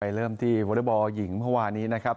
เริ่มที่วอเล็กบอลหญิงเมื่อวานี้นะครับ